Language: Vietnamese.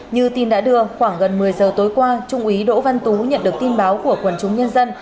như tin đã đưa khoảng gần một mươi giờ tối qua trung úy đỗ văn tú nhận được tin báo của quần chúng nhân dân